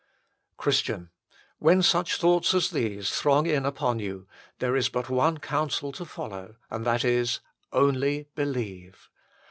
Christian, when such thoughts as these throng in upon you there is but one counsel to follow, and that is :" only believe."